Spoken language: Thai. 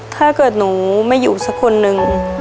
ถ้าเกิดหนูไม่อยู่สักคนนึง